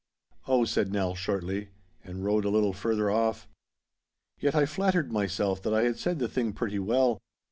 'Oh,' said Nell, shortly, and rode a little further off. Yet I flattered myself that I had said the thing pretty well.